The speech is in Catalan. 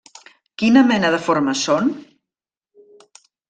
¿Quina mena de formes són?